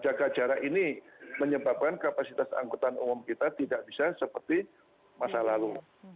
jaga jarak ini menyebabkan kapasitas angkutan umum kita tidak bisa seperti masa lalu